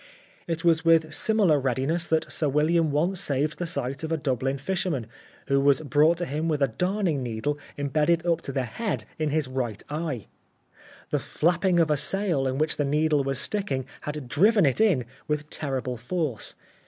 It was with similar readiness that Sir William once saved the sight of a Dublin fisherman, who was brought to him with a darning needle embedded up to the head in his 13 The Life of Oscar Wilde right eye. The flapping of a sail in which the needle was sticking had driven it in with terrible force.